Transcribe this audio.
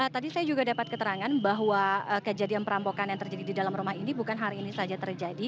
tadi saya juga dapat keterangan bahwa kejadian perampokan yang terjadi di dalam rumah ini bukan hari ini saja terjadi